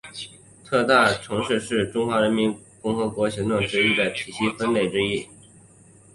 特大城市是中华人民共和国行政区划体系中城市分类之一。